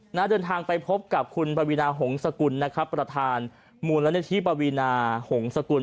หน้าเดินทางไปพบกับคุณประวินาหงษ์สกุลประธานมูลนิธิประวินาหงษ์สกุล